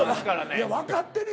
いやわかってるよ。